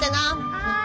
はい。